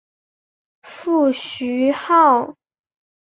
父徐灏。